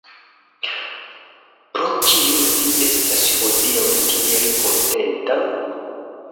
Pro kio vi estas hodiaŭ tiel kontenta?